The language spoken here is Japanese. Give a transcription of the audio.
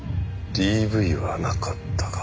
ＤＶはなかったか。